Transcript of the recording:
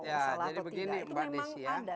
itu memang ada